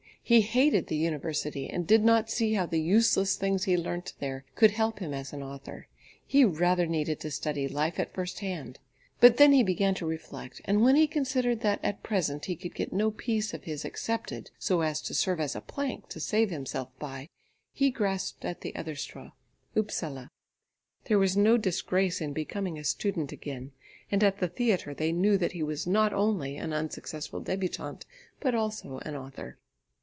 He hated the university, and did not see how the useless things one learnt there could help him as an author; he rather needed to study life at first hand. But then he began to reflect, and when he considered that, at present, he could get no piece of his accepted so as to serve as a plank to save himself by, he grasped at the other straw, Upsala. There was no disgrace in becoming a student again, and at the theatre they knew that he was not only an unsuccessful débutant, but also an author.